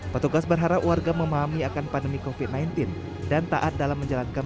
petugas berharap warga memahami akan pandemi kofit sembilan belas dan taat dalam menjalankan